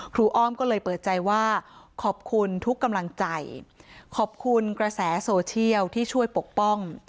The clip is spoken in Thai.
อ้อมก็เลยเปิดใจว่าขอบคุณทุกกำลังใจขอบคุณกระแสโซเชียลที่ช่วยปกป้อง